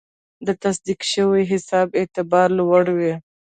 د تصدیق شوي حساب اعتبار لوړ وي.